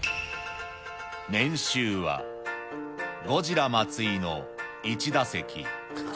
年収はゴジラ松井の一打席。